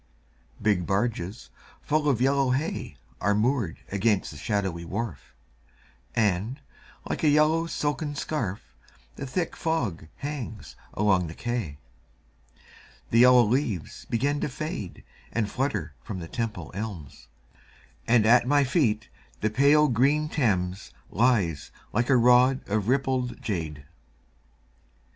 Big barges full of yellow hay Are moored against the shadowy wharf, And, like a yellow silken scarf, The thick fog hangs along the quay. The yellow leaves begin to fade And flutter from the Temple elms, And at my feet the pale green Thames Lies like a rod of rippled jade.